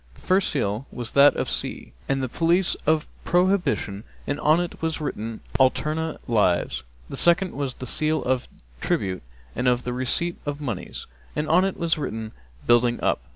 The first seal was that of the sea and the police of prohibition and on it was written, Alterna lives. The second was the seal of tribute and of the receipt of monies, and on it was written, Building up.